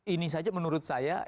ini saja menurut saya